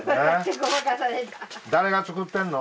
誰が作ってんの？